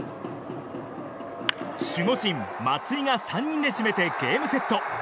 守護神・松井が締めてゲームセット。